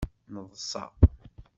Neḍsa.